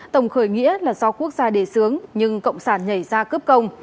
tổng khởi nghĩa là do quốc gia đề sướng nhưng cộng sản nhảy ra cướp công